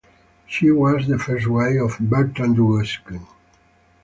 She was the first wife of Bertrand du Guesclin.